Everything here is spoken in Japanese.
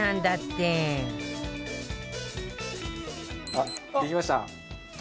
あっできました。